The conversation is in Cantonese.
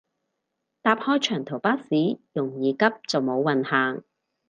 搭開長途巴士容易急就冇運行